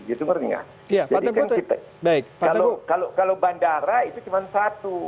jadi kalau bandara itu cuma satu